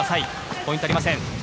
ポイントありません。